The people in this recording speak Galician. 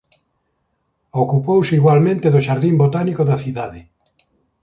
Ocupouse igualmente do xardín botánico da cidade.